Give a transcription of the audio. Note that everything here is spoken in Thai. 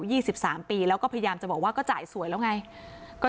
สิบสามปีแล้วก็พยายามจะบอกว่าก็จ่ายสวยแล้วไงก็